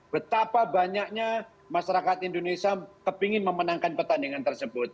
betapa banyaknya masyarakat indonesia kepingin memenangkan pertandingan tersebut